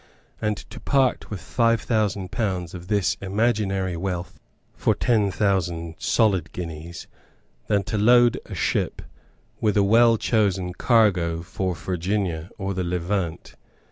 and to part with five thousand pounds of this imaginary wealth for ten thousand solid guineas, than to load a ship with a well chosen cargo for Virginia or the Levant.